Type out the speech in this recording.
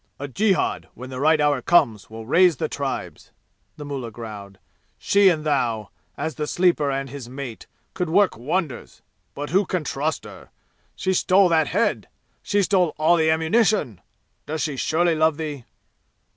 "A jihad when the right hour comes will raise the tribes," the mullah growled. "She and thou, as the Sleeper and his mate, could work wonders. But who can trust her? She stole that head! She stole all the ammunition! Does she surely love thee?"